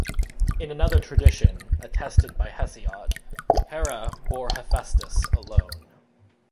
In another tradition, attested by Hesiod, Hera bore Hephaestus alone.